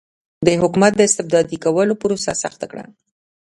د حکومت د استبدادي کولو پروسه سخته کړه.